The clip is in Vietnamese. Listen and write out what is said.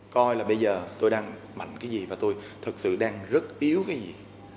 coi là bây giờ tôi đang mạnh cái gì và tôi thực sự đang rất yếu cái gì